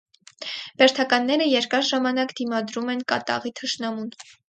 Բերդականները երկար ժամանակ դիմադրում են կատաղի թշնամուն։